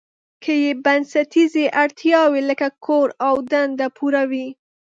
که یې بنسټیزې اړتیاوې لکه کور او دنده پوره وي.